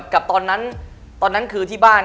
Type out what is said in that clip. กับตอนนั้นคือที่บ้าน